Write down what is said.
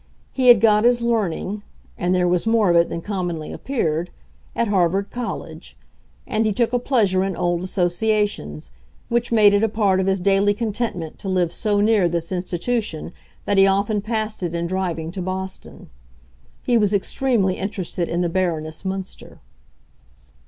He had got his learning—and there was more of it than commonly appeared—at Harvard College; and he took a pleasure in old associations, which made it a part of his daily contentment to live so near this institution that he often passed it in driving to Boston. He was extremely interested in the Baroness Münster.